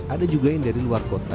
ada juga yang dari luar kota